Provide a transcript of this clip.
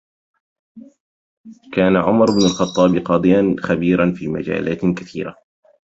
كان عمر بن الخطاب قاضيًا خبيرًا في مجالات كثيرة